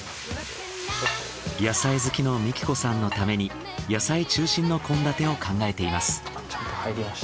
野菜好きの幹子さんのために野菜中心の献立を考えています。